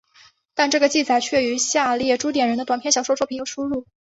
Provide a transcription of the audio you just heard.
但这个记载却与下列朱点人的短篇小说作品有出入。